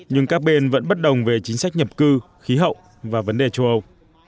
nhưng các bên vẫn bất đồng về chính sách nhập cư khí hậu và vấn đề châu âu